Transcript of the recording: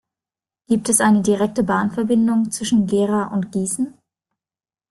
Gibt es eine direkte Bahnverbindung zwischen Gera und Gießen?